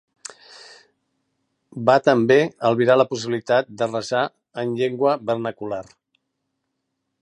Va també albirar la possibilitat de resar en llengua vernacular.